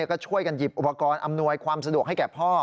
ก็ช่วยกันหยิบอุปกรณ์อำนวยความสะดวกให้แก่พ่อ